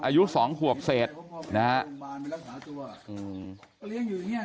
อายุ๒หัวเศษนะฮะ